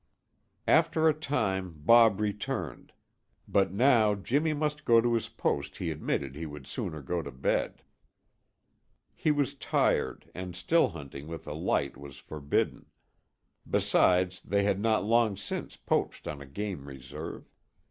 After a time Bob returned, but now Jimmy must go to his post he admitted he would sooner go to bed. He was tired and still hunting with a light was forbidden; besides, they had not long since poached on a game reserve.